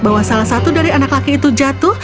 bahwa salah satu dari anak laki laki itu berada di rumahnya